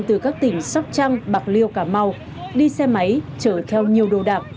từ các tỉnh sóc trăng bạc liêu cà mau đi xe máy chở theo nhiều đồ đạm